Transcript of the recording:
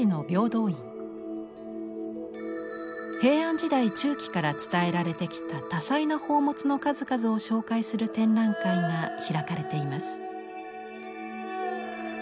平安時代中期から伝えられてきた多彩な宝物の数々を紹介する展覧会が開かれています。